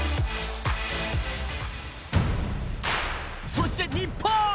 そして、日本！